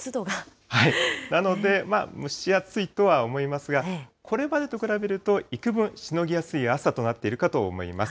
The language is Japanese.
なので、蒸し暑いとは思いますが、これまでと比べると、いくぶんしのぎやすい朝となっているかと思います。